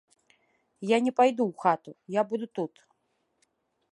Я не пайду ў хату, я буду тут.